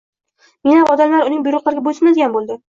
Minglab odamlar uning buyruqlariga bo‘ysunadigan bo‘ldi.